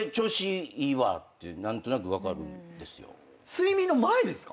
睡眠の前ですか？